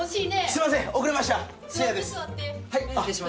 すいません遅れました。